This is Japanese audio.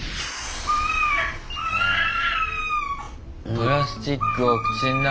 プラスチックを口の中。